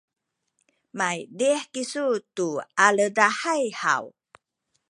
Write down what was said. maydih kisu tu aledahay haw?